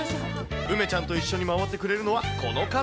梅ちゃんと一緒に回ってくれるのはこの方。